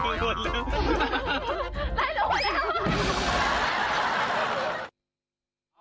โหหมดแล้ว